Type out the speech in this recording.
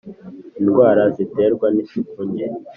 indwara ziterwa n isuku nke